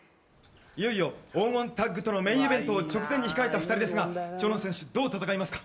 いよいよ黄金タッグとのメインイベントを直前に控えた２人ですが蝶野選手どう戦いますか？